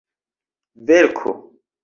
verko